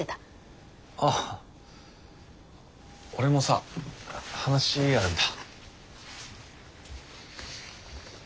あっ俺もさ話あるんだ。